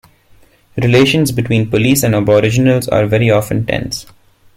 Relations between police and aboriginals are very often tense.